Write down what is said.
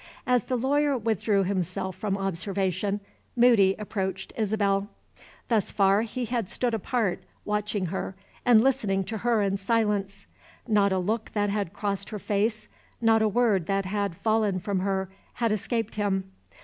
As the lawyer withdrew himself from observation, Moody approached Isabel. Thus far he had stood apart, watching her and listening to her in silence. Not a look that had crossed her face, not a word that had fallen from her, had escaped him.